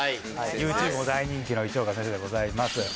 ＹｏｕＴｕｂｅも大人気の市岡先生でございます。